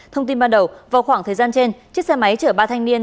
thông tin ban đầu vào khoảng thời gian trên chiếc xe máy chở ba thanh niên